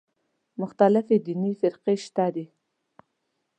مختلفې دیني فرقې شته دي.